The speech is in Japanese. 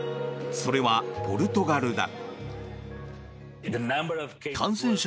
それはポルトガルだ。